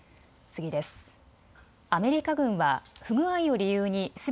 次です。